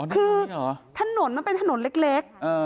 คือถนนมันเป็นถนนเล็ก